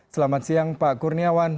selamat siang pak kurniawan